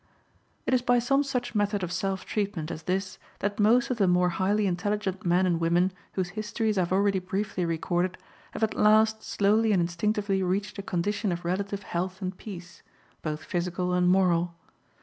It is by some such method of self treatment as this that most of the more highly intelligent men and women whose histories I have already briefly recorded have at last slowly and instinctively reached a condition of relative health and peace, both physical and moral.